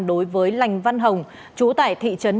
đối với lành văn hồng trú tại thị trấn